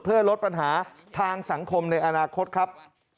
เพื่อลดปัญหาทางสังคมในอนาคตครับ